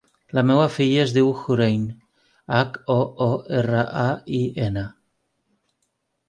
La meva filla es diu Hoorain: hac, o, o, erra, a, i, ena.